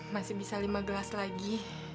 masih bisa lima gelas lagi